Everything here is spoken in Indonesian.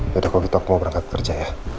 yaudah kalau gitu aku mau berangkat kerja ya